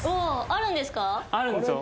あるんですよ。